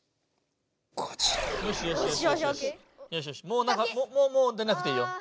もうもう出なくていいよ！